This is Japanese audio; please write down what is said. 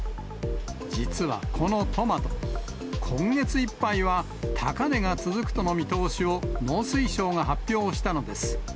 実はこのトマト、今月いっぱいは高値が続くとの見通しを農水省が発表したのです。